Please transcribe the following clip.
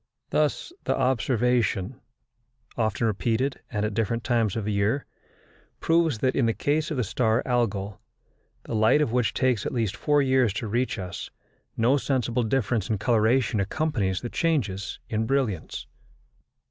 Thus the observation, often repeated, and at different times of year, proves that in the case of the star Algol, the light of which takes at least four years to reach us, no sensible difference in coloration accompanies the changes in brilliancy.